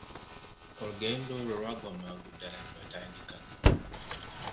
Olugendo olwo lwaggwa mangu ddala ne batandika.